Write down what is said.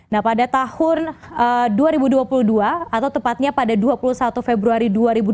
nah pada tahun dua ribu dua puluh dua atau tepatnya pada dua puluh satu februari dua ribu dua puluh